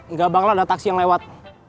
nggak bangla ada taksi yang lewat